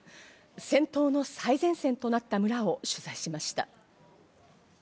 戦闘の最前線となった村を取材しました。